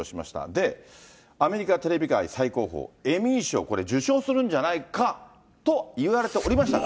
で、アメリカテレビ界最高峰のエミー賞、これ、受賞するんじゃないかといわれておりましたが。